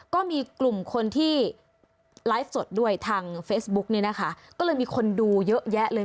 ก็มีกลุ่มคนที่ไลฟ์สดด้วยทางเฟซบุ๊กเนี่ยนะคะก็เลยมีคนดูเยอะแยะเลย